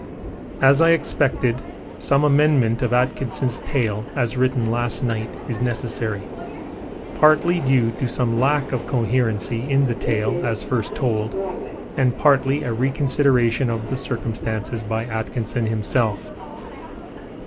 As I expected, some amendment of Atkinson's tale as written last night is necessary, partly due to some lack of coherency in the tale as first told and partly a reconsideration of the circumstances by Atkinson himself.